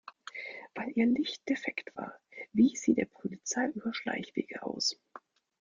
Weil ihr Licht defekt war, wich sie der Polizei über Schleichwege aus.